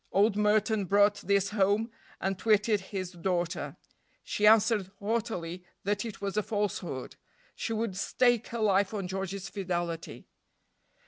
Old Merton brought this home and twitted his daughter. She answered haughtily that it was a falsehood. She would stake her life on George's fidelity.